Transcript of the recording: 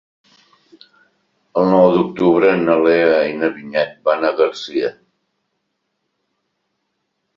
El nou d'octubre na Lea i na Vinyet van a Garcia.